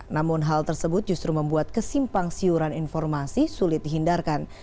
namun hal tersebut justru membuat kesimpang siuran informasi sulit dihindarkan